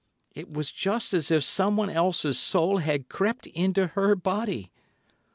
It was just as if someone else's soul had crept into her body.